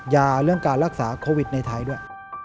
เรื่องการรักษาโควิดในไทยด้วย